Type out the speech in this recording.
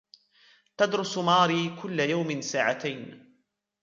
تدرس ماري كل يوم ساعتين.